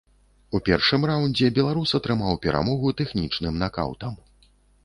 У першым раўндзе беларус атрымаў перамогу тэхнічным накаўтам.